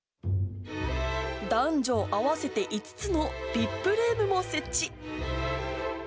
男女合わせて５つのＶＩＰルームも設置。